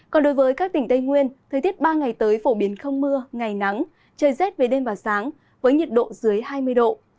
còn đối với các tỉnh tây nguyên thời tiết ba ngày tới phổ biến không mưa ngày nắng trời rét về đêm và sáng với nhiệt độ dưới hai mươi độ